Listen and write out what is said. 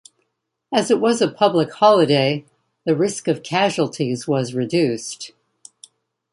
As it was a public holiday, the risk of casualties was reduced.